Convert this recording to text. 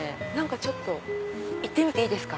ちょっと行ってみていいですか？